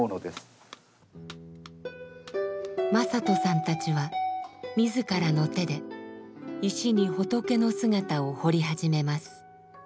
正人さんたちは自らの手で石に仏の姿を彫り始めます。